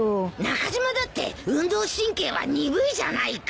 中島だって運動神経は鈍いじゃないか！